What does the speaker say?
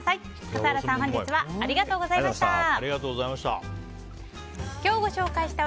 笠原さん、本日はありがとうございました。